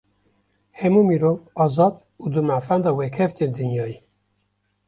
Hemû mirov, azad û di mafan de wekhev tên dinyayê